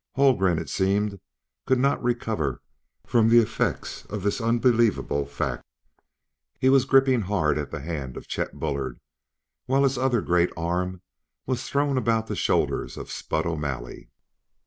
Haldgren, it seemed, could not recover from the effects of this unbelievable fact. He was gripping hard at the hand of Chet Bullard, while his other great arm was thrown about the shoulders of Spud O'Malley.